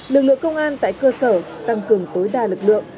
lực lượng công an tại cơ sở tăng cường tối đa lực lượng